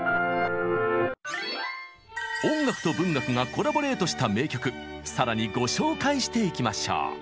音楽と文学がコラボレートした名曲更にご紹介していきましょう。